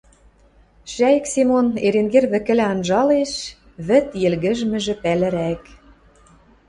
Шӓйӹк Семон Эренгер вӹкӹлӓ анжалеш: вӹд йӹлгӹжмӹжӹ пӓлӹрӓк.